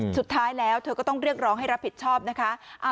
สุดท้ายแล้วเธอก็ต้องเรียกร้องให้รับผิดชอบนะคะ